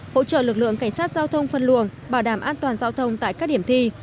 hỗ trợ lực lượng cảnh sát giao thông phân luồng bảo đảm an toàn giao thông tại các điểm thi